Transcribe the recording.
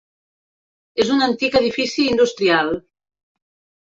És un antic edifici industrial.